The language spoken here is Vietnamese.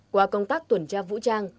qua công tác tuần tra vũ trang